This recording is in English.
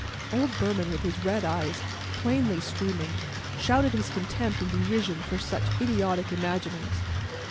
Old Behrman, with his red eyes plainly streaming, shouted his contempt and derision for such idiotic imaginings.